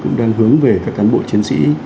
cũng đang hướng về các cán bộ chiến sĩ